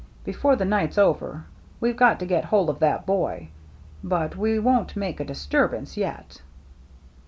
Before the night's over we've got to get hold of that boy, but we won't make a disturbance yet."